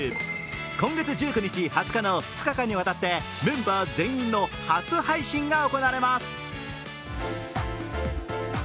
今月１９日、２０日の２日間にわたってメンバー全員の初配信が行われます。